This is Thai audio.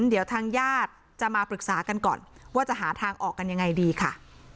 เดี๋ยวทางญาติจะมาปรึกษากันก่อนว่าจะหาทางออกกันยังไงดีค่ะ